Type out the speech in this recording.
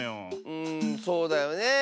うんそうだよねえ。